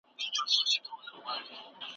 د خوبونو له گردابه يې پرواز دی